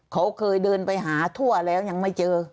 เขาเคยเดินไปหาทั่วแล้วยังไม่เจอ